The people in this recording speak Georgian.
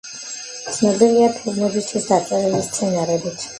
ცნობილია ფილმებისთვის დაწერილი სცენარებით.